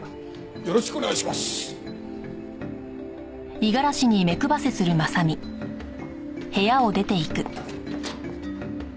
よろしくお願いします。